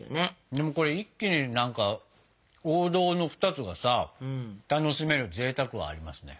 でもこれ一気に何か王道の２つがさ楽しめるぜいたくはありますね。